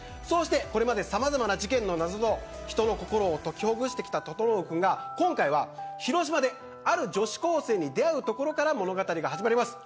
これまでさまざまな事件の謎と人の心を解きほぐしてきた整君が今回は広島である女子高生に出会うところから物語が始まります。